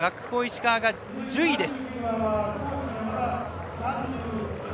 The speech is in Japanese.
学法石川が１０位です。